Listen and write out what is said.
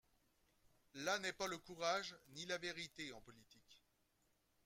Là n’est pas le courage, ni la vérité en politique.